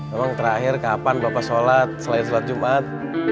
memang terakhir kapan bapak sholat selain sholat jumat